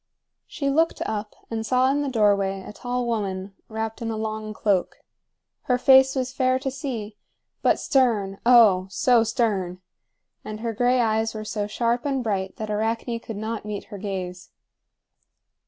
She looked up and saw in the doorway a tall woman wrapped in a long cloak. Her face was fair to see, but stern, oh, so stern! and her gray eyes were so sharp and bright that Arachne could not meet her gaze.